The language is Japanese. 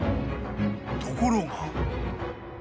［ところが］